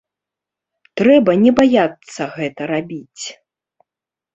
Трэба не баяцца гэта рабіць.